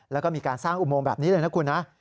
แล้วก็มีการสร้างอุโมงแบบนี้เลยนะคุณนะ